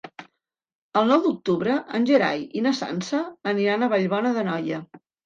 El nou d'octubre en Gerai i na Sança aniran a Vallbona d'Anoia.